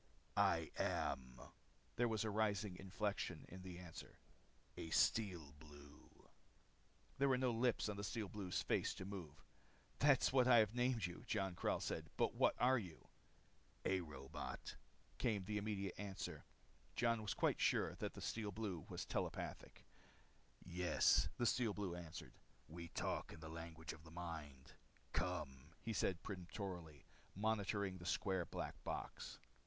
"I am" there was a rising inflection in the answer "a Steel Blue." There were no lips on the Steel Blue's face to move. "That is what I have named you," Jon Karyl said. "But what are you?" "A robot," came the immediate answer. Jon was quite sure then that the Steel Blue was telepathic. "Yes," the Steel Blue answered. "We talk in the language of the mind. Come!" he said peremptorily, motioning with the square black box.